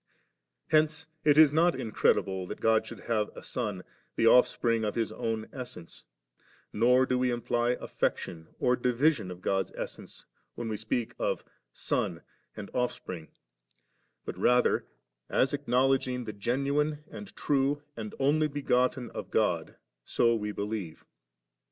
Hence it is not incredible that God should have a Son, the Ofifspring of His own essence; nor do we imply afifection or division of God's essence, when we speak of *Son* and * Ofifspring;' but rather, as ac knowledging the genuine, and true, and Only begotten of God, so we believe.